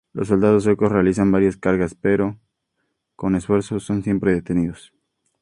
Los soldados suecos realizan varias cargas pero, con esfuerzo, son siempre detenidos.